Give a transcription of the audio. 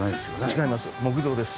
違います。